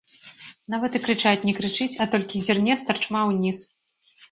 Нават і крычаць не крычыць, а толькі зірне старчма ўніз.